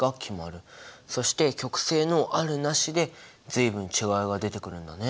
そして極性のあるなしで随分違いが出てくるんだね。